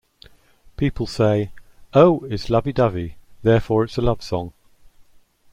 People say 'Oh, it's lovey-dovey, so therefore it's a love song'.